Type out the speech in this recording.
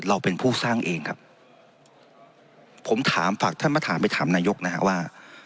เราเป็นผู้สร้างเองครับผมถามฝากท่านมาถามไปถามนายกนะฮะว่า